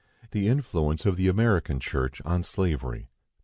THE INFLUENCE OF THE AMERICAN CHURCH ON SLAVERY.